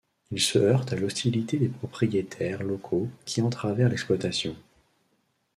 Il se heurte à l'hostilité des propriétaires locaux qui entravèrent l'exploitation.